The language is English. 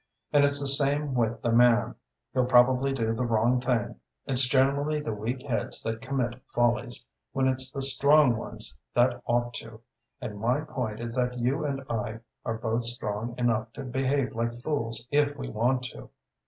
And it's the same with the man: he'll probably do the wrong thing. It's generally the weak heads that commit follies, when it's the strong ones that ought to: and my point is that you and I are both strong enough to behave like fools if we want to....